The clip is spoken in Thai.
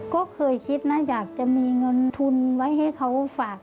ก็เคยคิดนะอยากจะมีเงินทุนไว้ให้เขาฝาก